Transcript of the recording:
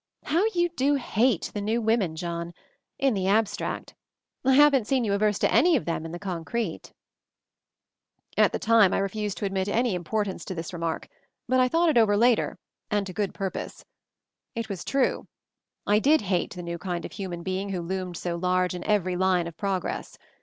"How you do hate the new women, John — in the abstract! I haven't seen you averse to any of them in the concrete 1" At the time I refused to admit any im portance to this remark, but I thought it over later — and to good purpose. It was true. I did hate the new kind of human being who loomed so large in every line of progress.